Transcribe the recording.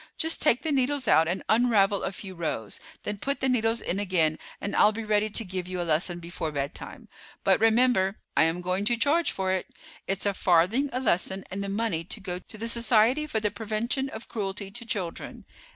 Just take the needles out and unravel a few rows, then put the needles in again, and I'll be ready to give you a lesson before bedtime. But, remember, I am going to charge for it. It's a farthing a lesson, and the money to go to the Society for the Prevention of Cruelty to Children.